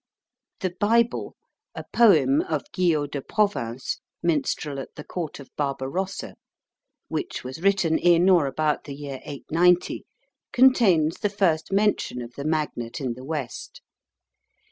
The Bible, a poem of Guiot de Provins, minstrel at the court of Barbarossa, which was written in or about the year 890, contains the first mention of the magnet in the West.